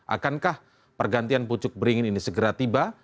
akankah pergantian pucuk beringin ini segera tiba